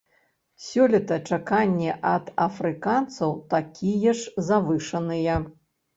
Сёлета чаканні ад афрыканцаў такія ж завышаныя.